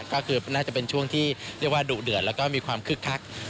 ก็คือน่าจะเป็นช่วงที่เรียกว่าดุเดือดแล้วก็มีความคึกคัก